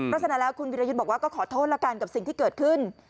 ลักษณะแล้วคุณวิรายุทธิ์บอกว่าก็ขอโทษละกันกับสิ่งที่เกิดขึ้น